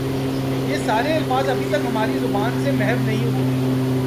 یہ سارے الفاظ ابھی تک ہماری زبان سے محو نہیں ہوئے